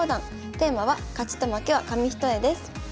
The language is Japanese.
テーマは「勝ちと負けは紙一重」です。